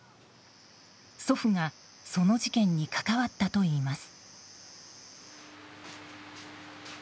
祖父がその事件に関わったといいます。